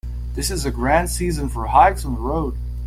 This is a grand season for hikes on the road.